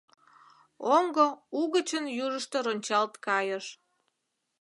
Оҥго угычын южышто рончалт кайыш.